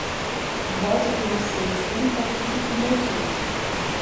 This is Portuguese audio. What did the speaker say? O resto de vocês entra aqui e motim!